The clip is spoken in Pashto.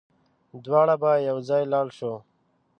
دواړه به يوځای لاړ شو